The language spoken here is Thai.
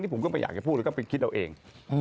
ผมก็อยากที่จะพูดคิดเอาเอง